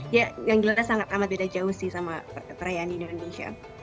ya yang jelas sangat amat beda jauh sih sama perayaan di indonesia